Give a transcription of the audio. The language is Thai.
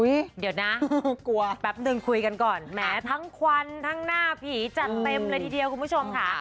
เดี๋ยวนะกลัวแป๊บนึงคุยกันก่อนแหมทั้งควันทั้งหน้าผีจัดเต็มเลยทีเดียวคุณผู้ชมค่ะ